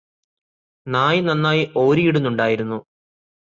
നായ് നന്നായി ഒരിയിടുന്നുണ്ടായിരുന്നു.